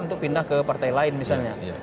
untuk pindah ke partai lain misalnya